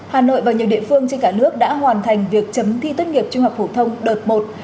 hà nội và nhiều địa phương trên cả nước đã hoàn thành việc chấm thi tốt nghiệp trung học phổ thông đợt một